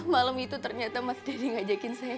malam itu ternyata mas deddy ngajakin saya